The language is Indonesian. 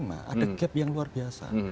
ada gap yang luar biasa